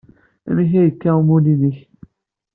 Amek ay yekka umulli-nnek?